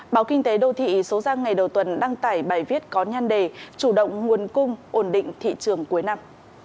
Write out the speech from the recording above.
báo kinh tế đô thị số ra ngày đầu tuần đăng tải bài viết có nhan đề chủ động nguồn cung ổn định thị trường cuối năm